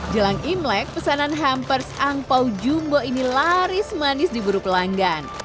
jelang imlek pesanan hampers angpau jumbo ini laris manis di buru pelanggan